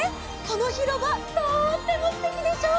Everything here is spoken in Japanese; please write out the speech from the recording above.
このひろばとってもすてきでしょ！